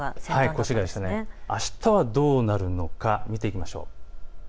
あしたはどうなるのか見てみましょう。